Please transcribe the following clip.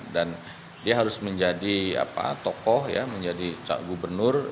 dan dia harus menjadi tokoh menjadi gubernur